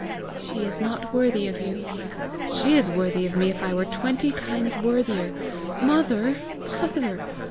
"She is not worthy of you." "She is worthy of me if I were twenty times worthier! Mother, mother!